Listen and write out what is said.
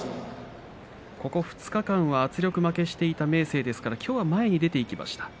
ここ２日間は圧力負けしていた明生ですがきょうは前に出ていきました。